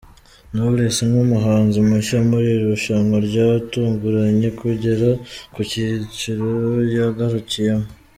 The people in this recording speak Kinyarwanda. Knowless nk’umuhanzi mushya muri iri rushanwa, yaratunguranye kugera ku kiciro yagarukiyemo.